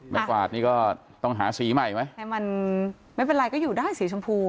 กวาดนี่ก็ต้องหาสีใหม่ไหมให้มันไม่เป็นไรก็อยู่ได้สีชมพู